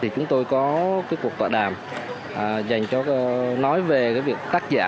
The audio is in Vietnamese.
chúng tôi có cuộc tọa đàm dành cho nói về việc tác giả